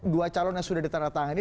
dua calon yang sudah ditanda tangan